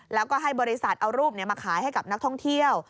แล้วก็ให้บริษัทเอารูปมาขายให้กับนักท่องเที่ยว